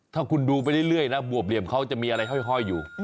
ถ้าคุณดูไปเรื่อยนะบวบเหลี่ยมเขาจะมีอะไรห้อยอยู่